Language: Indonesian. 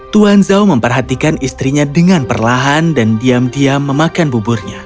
tuan zhao memperhatikan istrinya dengan perlahan dan diam diam memakan buburnya